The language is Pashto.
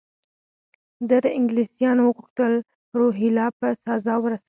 ده له انګلیسیانو وغوښتل روهیله په سزا ورسوي.